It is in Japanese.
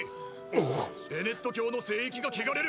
ベネット教の聖域が汚れる！！